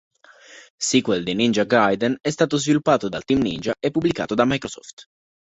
Sequel di "Ninja Gaiden", è stato sviluppato dal Team Ninja e pubblicato da Microsoft.